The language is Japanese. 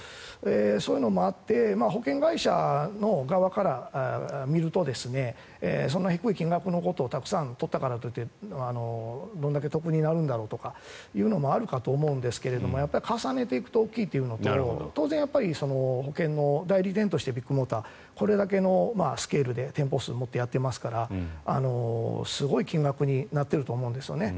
そういうのもあって保険会社の側から見ると低い金額のところをたくさん取ったからといってどんだけ得になるんだろうというのもあるかと思うんですが重ねていくと大きいというのと保険の代理店としてビッグモーターはこれだけのスケールで店舗数を持ってやっていますからすごい金額になっていると思うんですよね。